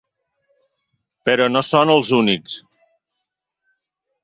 Però no són els únics.